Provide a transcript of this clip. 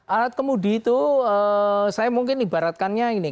alat kemudi itu saya mungkin ibaratkannya ini